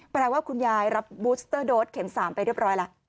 แปลว่าคุณยายรับบูสเตอร์โดสเข็ม๓ไปเรียบร้อยแล้ว